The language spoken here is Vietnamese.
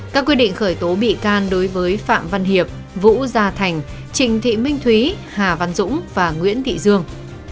các quyết định khởi tố bị can đối với phạm văn hiệp vũ gia thành trình thị minh thúy hà văn dũng và nguyễn thị dương